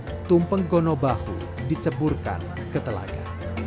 tak berapa lama tumpeng gono bahu diceburkan ke telaga